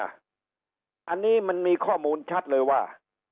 อันนี้มันมีข้อมูลชัดเลยว่า